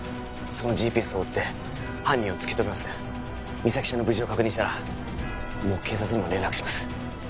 そのＧＰＳを追って犯人を突き止めます実咲ちゃんの無事を確認したらもう警察にも連絡します